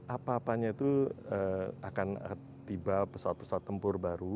apa apanya itu akan tiba pesawat pesawat tempur baru